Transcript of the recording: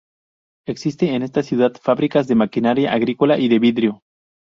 Existen en esta ciudad fábricas de maquinaria agrícola y de vidrio.